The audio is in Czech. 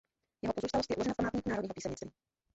Jeho pozůstalost je uložena v Památníku národního písemnictví.